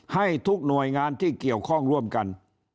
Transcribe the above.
ให้ทุกหน่วยงานที่เกี่ยวข้องร่วมกัน